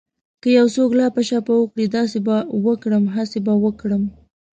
که يو څوک لاپه شاپه وکړي چې داسې به وکړم هسې به وکړم.